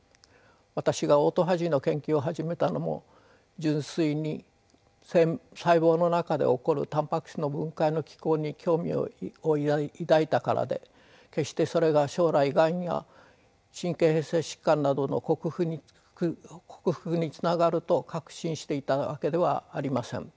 私がオートファジーの研究を始めたのも純粋に細胞の中で起こるタンパク質の分解の機構に興味を抱いたからで決してそれが将来がんや神経変性疾患などの克服につながると確信していたわけではありません。